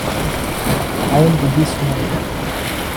I am Buddhist now.